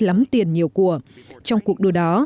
lắm tiền nhiều của trong cuộc đua đó